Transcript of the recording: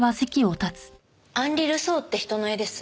アンリ・ルソーって人の絵です。